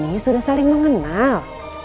ini sudah saling mengenal